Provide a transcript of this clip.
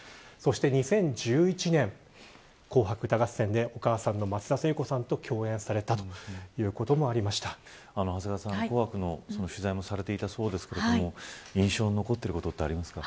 ２０１１年、紅白歌合戦でお母さんの松田聖子さんと長谷川さん、紅白の取材もされていたそうですが印象に残っていることはありますか。